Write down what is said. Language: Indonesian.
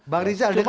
bang rizal denger apa